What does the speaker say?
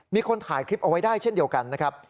มีคนถ่ายคลิปเอาไว้ได้เช่นเดียวกันนะครับ